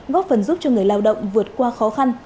góp phần giúp cho người lao động vượt qua khó khăn